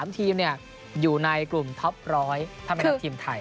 ๓ทีมอยู่ในกลุ่มท็อป๑๐๐ถ้าเป็นทัพทีมไทย